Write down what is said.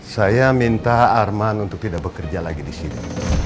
saya minta arman untuk tidak bekerja lagi disini